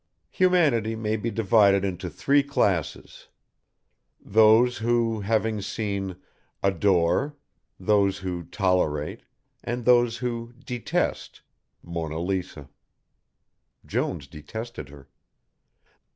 Humanity may be divided into three classes: those who, having seen, adore, those who tolerate, and those who detest Mona Lisa. Jones detested her.